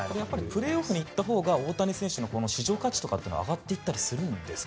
プレーオフに行ったほうが大谷選手の市場価値は上がったりしますか。